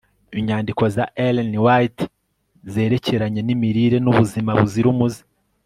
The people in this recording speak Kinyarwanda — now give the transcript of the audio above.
inyandiko za ellen white zerekeranye n'imirire n'ubuzima buzira umuze